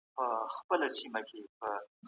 ایا لوی صادروونکي خندان پسته ساتي؟